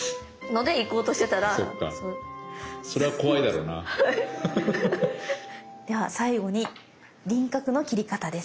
では最後に輪郭の切り方です。